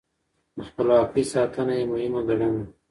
د خپلواکۍ ساتنه يې مهمه ګڼله.